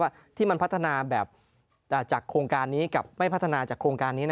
ว่าที่มันพัฒนาแบบจากโครงการนี้กับไม่พัฒนาจากโครงการนี้